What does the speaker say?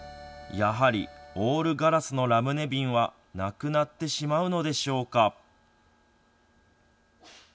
やはりオールガラスのラムネ瓶はなくなってしまうのでしょうか。